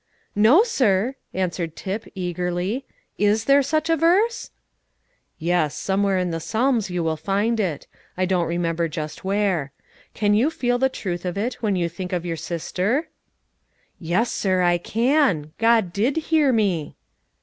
"No, sir," answered Tip eagerly; "is there such a verse?" "Yes, somewhere in the Psalms you will find it. I don't remember just where. Can you feel the truth of it when you think of your sister?" "Yes, sir, I can. God did hear me."